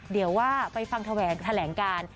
เดี๋ยวว่าไปฟังแถลงการ